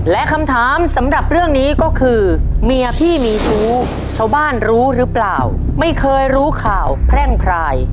และคำถามสำหรับเรื่องนี้ก็คือเมียพี่มีชู้ชาวบ้านรู้หรือเปล่าไม่เคยรู้ข่าวแพร่งพราย